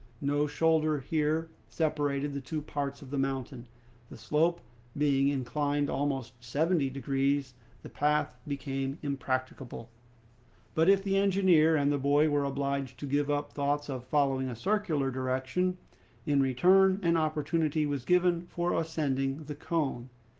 No shoulder here separated the two parts of the mountain. The slope, being inclined almost seventy degrees, the path became impracticable. But if the engineer and the boy were obliged to give up thoughts of following a circular direction, in return an opportunity was given for ascending the cone.